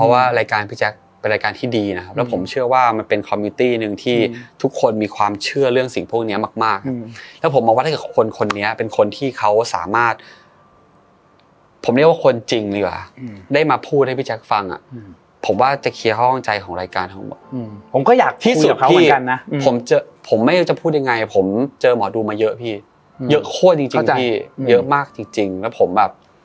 เวลาเกิดคือตัวเลขถูกไหมครับ